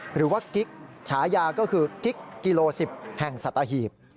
หรือว่ากิ๊กชายาก็คือกิ๊กกิโลสิบแห่งสัตว์อาหีภ